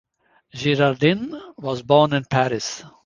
Girardin was born in Paris.